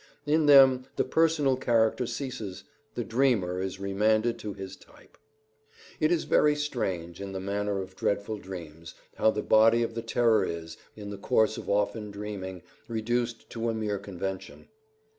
In them the personal character ceases; the dreamer is remanded to his type. III It is very strange, in the matter of dreadful dreams, how the body of the terror is, in the course of often dreaming, reduced to a mere convention.